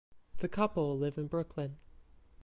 The couple live in Brooklyn.